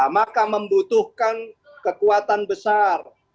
maka membutuhkan kekuatan besar